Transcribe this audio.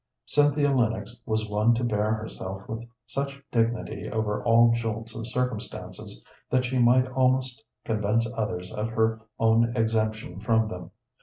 Cynthia Lennox was one to bear herself with such dignity over all jolts of circumstances that she might almost convince others of her own exemption from them.